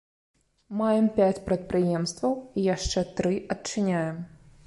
Маем пяць прадпрыемстваў і яшчэ тры адчыняем.